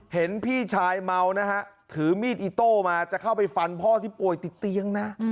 เห็นพี่ชายเมานะฮะถือมีดอิโต้มาจะเข้าไปฟันพ่อที่ป่วยติดเตียงนะ